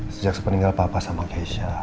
sejak sepeninggal papa sama keisha